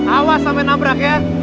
awas sampai nabrak ya